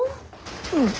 うん。